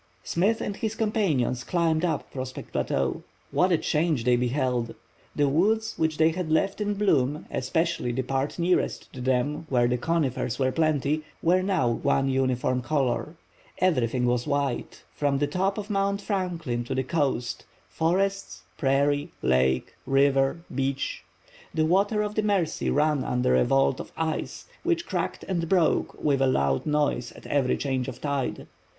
Smith and his companions climbed up Prospect Plateau. What a change they beheld! The woods which they had left in bloom, especially the part nearest to them where the conifers were plenty, were now one uniform color. Everything was white, from the top of Mount Franklin to the coast—forests, prairie, lake, river, beach. The waters of the Mercy ran under a vault of ice, which cracked and broke with a loud noise at every change of tide.